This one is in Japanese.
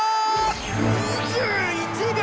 ２１秒！